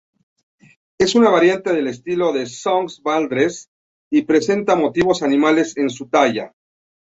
Es una variante del estilo de Sogn-Valdres, y presenta motivos animales en su talla.